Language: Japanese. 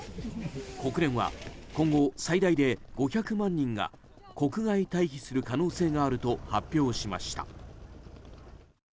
国連は今後、最大で５００万人が国外退避する可能性があると発表しました。